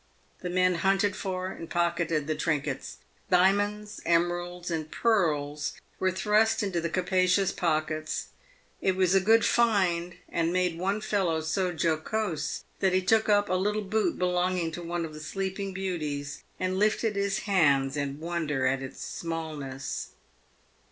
The men hunted for and pocketed the trinkets. Diamonds, emeralds, and pearls were thrust into the capacious pockets. It was a good " find," and made one fellow so jocose that he took up a little boot belonging to one of the sleeping beauties, and lifted his hands in wonder at its smallness.